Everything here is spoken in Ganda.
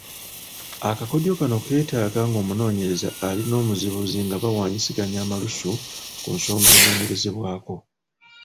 Akakodyo kano keetaaga ng’omunoonyereza ali n’omuzibuzi nga bawaanyisiganya amalusu ku nsonga enoonyeerezebwako.